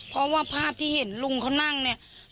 เพราะว่าภาพที่เห็นลุงเขานั่งเนี่ย